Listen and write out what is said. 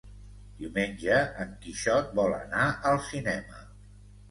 Diumenge en Quixot vol anar al cinema.